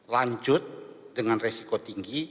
lanjut dengan resiko tinggi